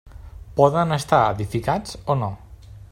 Poden estar edificats o no.